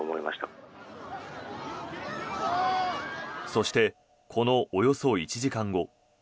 そして、このおよそ１時間後。